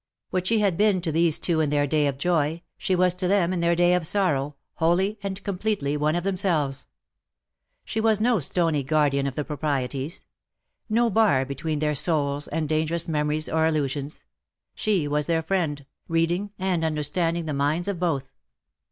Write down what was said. What she had been to these two in their day of joy, she was to them in their day of sorrow, wholly and com pletely one of themselves. She was no stony guardian of the proprieties ; no bar between their souls and dangerous memories or allusions. She was their friend, reading and understanding the minds of both.